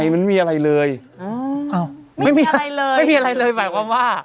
มันอะไรแบบว่า